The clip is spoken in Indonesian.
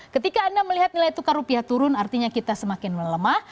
ketika anda melihat nilai tukar rupiah turun artinya kita semakin melemah